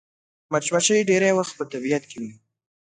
مچمچۍ ډېری وخت په طبیعت کې وي